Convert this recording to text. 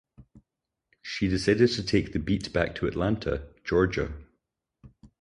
She decided to take the beat back to Atlanta, Georgia.